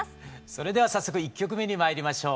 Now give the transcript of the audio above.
それでは早速１曲目にまいりましょう。